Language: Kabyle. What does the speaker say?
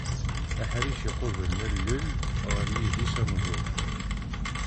Aḥric iqublen allel ɣer yidis anẓul.